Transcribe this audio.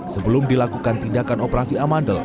sebelum dilakukan tindakan operasi amandel